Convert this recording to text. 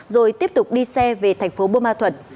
rồi tiếp tục đi xe về thành phố buôn ma thuận